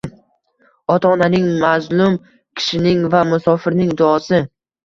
Ota-onaning, mazlum kishining va musofirning duosi